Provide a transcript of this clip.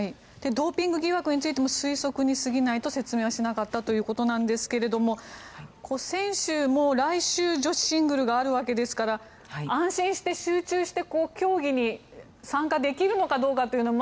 ドーピング疑惑についても推測にすぎないと説明はしなかったということですけども選手も来週女子シングルがあるわけですから安心して集中して競技に参加できるのかどうかという。